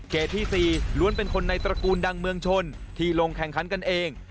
ที่๔ล้วนเป็นคนในตระกูลดังเมืองชนที่ลงแข่งขันกันเอง